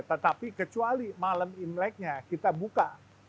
tetapi kecuali malam imleknya kita buka